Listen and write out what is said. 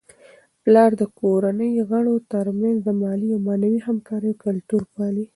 پلار د کورنی د غړو ترمنځ د مالي او معنوي همکاریو کلتور پالي.